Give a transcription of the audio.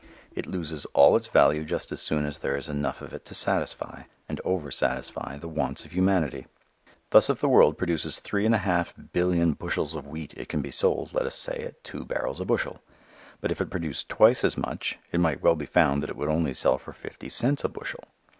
It loses all its value just as soon as there is enough of it to satisfy, and over satisfy the wants of humanity. Thus if the world produces three and a half billion bushels of wheat it can be sold, let us say, at two dollars a bushel; but if it produced twice as much it might well be found that it would only sell for fifty cents a bushel.